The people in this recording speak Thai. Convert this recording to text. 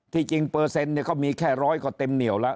ที่จริงเปอร์เซ็นต์เนี่ยเขามีแค่๑๐๐กว่าเต็มเหนียวละ